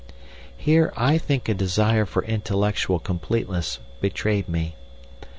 Here I think a desire for intellectual completeness betrayed me.